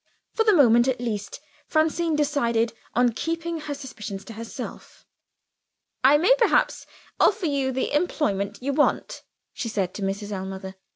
For the moment at least, Francine decided on keeping her suspicions to herself. "I may perhaps offer you the employment you want," she said to Mrs. Ellmother.